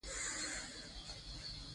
چنګلونه د افغان کلتور سره تړاو لري.